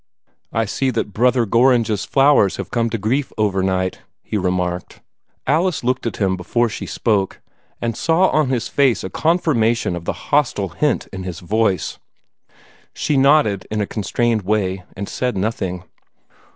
"I see that Brother Gorringe's flowers have come to grief over night," he remarked. Alice looked at him before she spoke, and saw on his face a confirmation of the hostile hint in his voice. She nodded in a constrained way, and said nothing.